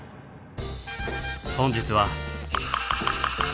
本日は。